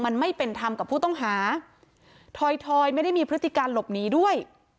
มันไม่เป็นธรรมกับผู้ต้องหาทอยทอยไม่ได้มีพฤติการหลบหนีด้วย